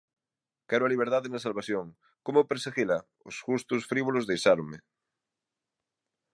Quero a liberdade na salvación: como perseguila? Os gustos frívolos deixáronme.